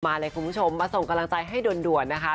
เลยคุณผู้ชมมาส่งกำลังใจให้ด่วนนะคะ